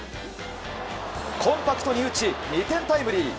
コンパクトに打ち２点タイムリー。